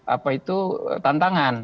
apa itu tantangan